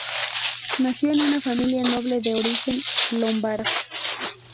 Nació en una familia noble de origen Lombard.